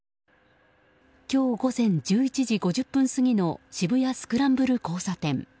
今日午前１１時５０分過ぎの渋谷スクランブル交差点。